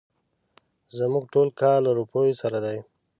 زموږ ټول کار له روپيو سره دی.